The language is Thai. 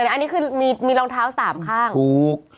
อันนี้คือมีรองเท้า๓ข้างถูก